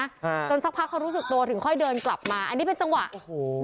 อ่าจนสักพักเขารู้สึกตัวถึงค่อยเดินกลับมาอันนี้เป็นจังหวะโอ้โห